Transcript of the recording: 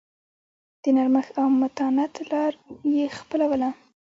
د نرمښت او متانت لار یې خپلوله.